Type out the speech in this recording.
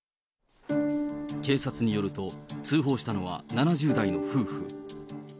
警察によると、通報したのは７０代の夫婦。